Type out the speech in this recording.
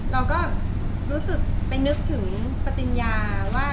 เราก็รู้สึกไปนึกถึงปติญญาว่า